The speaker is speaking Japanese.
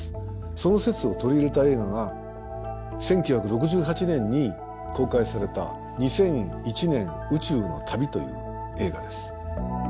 その説を取り入れた映画が１９６８年に公開された「２００１年宇宙の旅」という映画です。